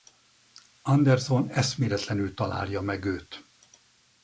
Anderson eszméletlenül találja meg őt.